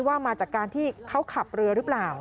ว่ามาจากการที่เขาขับเรือหรือเปล่า